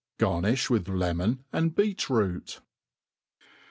Garnifli with lemon and beet root.